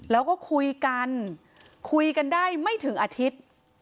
แล้วก็คุยกันคุยกันได้ไม่ถึงอาทิตย์